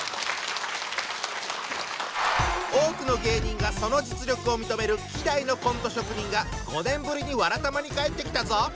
多くの芸人がその実力を認める希代のコント職人が５年ぶりに「わらたま」に帰ってきたぞ。